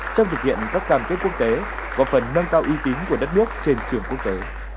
trong thực hiện các cam kết quốc tế góp phần nâng cao uy tín của đất nước trên trường quốc tế